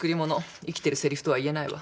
生きてるセリフとは言えないわ。